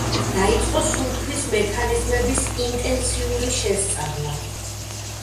დაიწყო სუნთქვის მექანიზმების ინტენსიური შესწავლა.